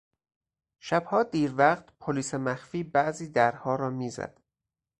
شبها دیر وقت پلیس مخفی بعضی درها را میزد.